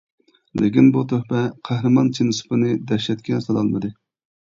لېكىن بۇ «تۆھپە» قەھرىمان چىن سۇپىنى دەھشەتكە سالالمىدى.